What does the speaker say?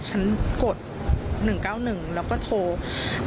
กด๑๙๑แล้วก็โทร